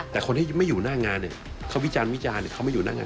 แต่คนที่ไม่อยู่หน้างานเขาวิจารณ์เขาไม่อยู่หน้างาน